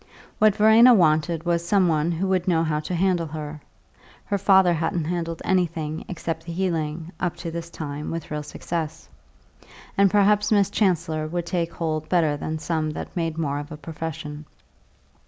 What Verena wanted was some one who would know how to handle her (her father hadn't handled anything except the healing, up to this time, with real success), and perhaps Miss Chancellor would take hold better than some that made more of a profession.